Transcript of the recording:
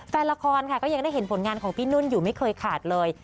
แฟนละครค่ะก็ยังได้เห็นผลงานของพี่นุ่นอยู่ไม่เคยขาดเลย